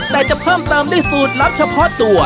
ก็จะเพิ่มเติมในสูตรรับเฉพาะตัว